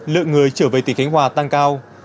lượng người trở về tỉnh thánh hòa tăng cao